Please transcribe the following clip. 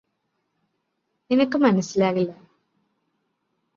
നിനക്ക് മനസ്സിലാകില്ല